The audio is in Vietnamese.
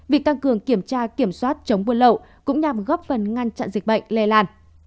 việc tăng cường kiểm tra kiểm soát chống buôn lậu cũng nhằm góp phần ngăn chặn dịch bệnh lây lan